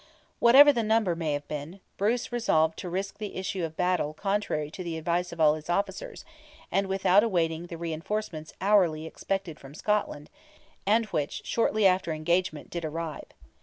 Whatever the number may have been, Bruce resolved to risk the issue of battle contrary to the advice of all his officers, and without awaiting the reinforcements hourly expected from Scotland, and which shortly after the engagement did arrive.